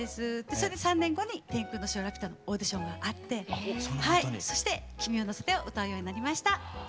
それで３年後に「天空の城ラピュタ」のオーディションがあってそして「君をのせて」を歌うようになりました。